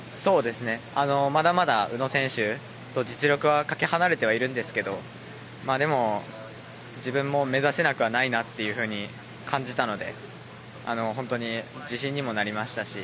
まだまだ宇野選手と実力はかけ離れてはいるんですがでも、自分も目指せなくはないなと感じたので本当に自信にもなりましたし